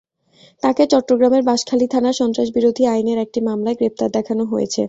তাঁকে চট্টগ্রামের বাঁশখালী থানার সন্ত্রাসবিরোধী আইনের একটি মামলায় গ্রেপ্তার দেখানো হয়েছে।